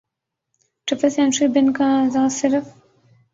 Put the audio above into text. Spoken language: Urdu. ٹرپل سنچری بن کا اعزاز صرف